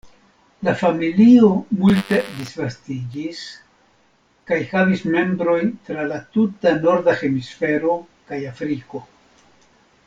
La familio multe disvastiĝis kaj havis membrojn tra la tuta norda hemisfero kaj Afriko.